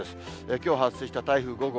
きょう発生した台風５号。